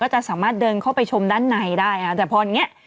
ก็จะสามารถเดินเข้าไปชมด้านในได้อะ